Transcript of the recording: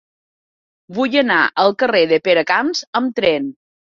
Vull anar al carrer de Peracamps amb tren.